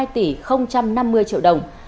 hai tỷ năm mươi triệu đồng